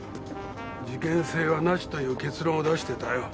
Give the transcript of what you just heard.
「事件性はなし」という結論を出してたよ。